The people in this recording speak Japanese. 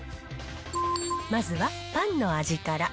まずはパンの味から。